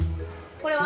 これは？